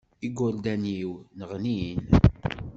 Igerdan-iw nneɣnin.